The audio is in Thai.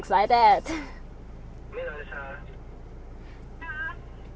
คุณเราต้องดูขนาดวาน